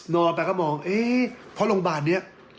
นอนไปก็มองเอ๊ะเพราะโรงพยาบาลนี้